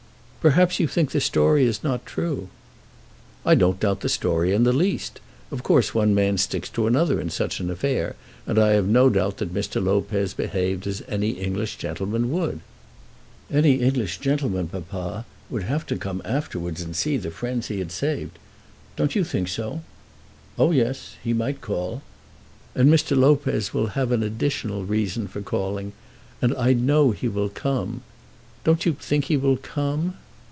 "Perhaps you think the story is not true." "I don't doubt the story in the least. Of course one man sticks to another in such an affair, and I have no doubt that Mr. Lopez behaved as any English gentleman would." "Any English gentleman, papa, would have to come afterwards and see the friend he had saved. Don't you think so?" "Oh, yes; he might call." "And Mr. Lopez will have an additional reason for calling, and I know he will come. Don't you think he will come?"